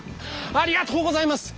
ありがとうございます！